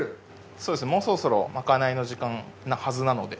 そうですねもうそろそろまかないの時間なはずなので。